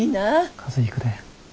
風邪ひくで。